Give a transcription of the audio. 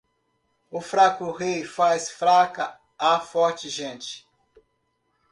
O fraco rei faz fraca a forte gente